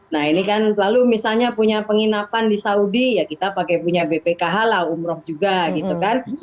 nah ini kan lalu misalnya punya penginapan di saudi ya kita pakai punya bpkh lah umroh juga gitu kan